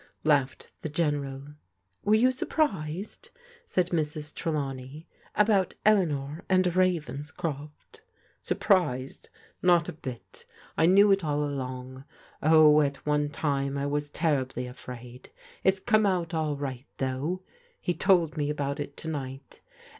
laughed the General Were tou surprised," said Mrs. Trdawney, " about Ekanor and Ravenscroft? """ Surprised? not a bit! I knew it all along. Oh, at one time I was terribly afraid. It's come out all right, though. He told me about it to ni^t.